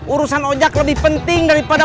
urusan ojek lebih penting daripada